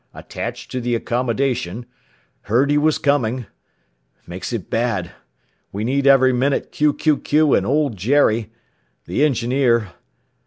attached to the Accommodation ... heard he was coming ... makes it bad.... We need every minute ... and Old Jerry ... the engineer